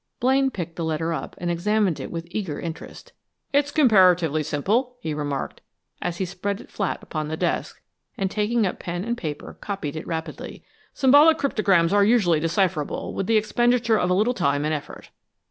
Blaine picked the letter up, and examined it with eager interest. "It's comparatively simple," he remarked, as he spread it flat upon the desk, and taking up pen and paper, copied it rapidly. "Symbolic cryptograms are usually decipherable, with the expenditure of a little time and effort.